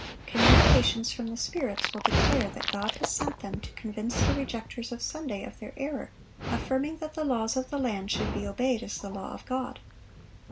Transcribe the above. Communications from the spirits will declare that God has sent them to convince the rejecters of Sunday of their error, affirming that the laws of the land should be obeyed as the law of God.